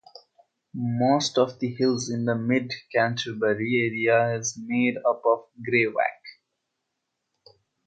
Most of the hills in the Mid Canterbury area is made up of greywacke.